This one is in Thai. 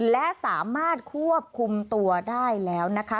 และสามารถควบคุมตัวได้แล้วนะคะ